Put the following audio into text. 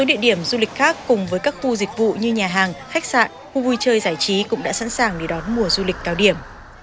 địa điểm du lịch khác cùng với các khu dịch vụ như nhà hàng khách sạn khu vui chơi giải trí cũng đã sẵn sàng để đón mùa du lịch cao điểm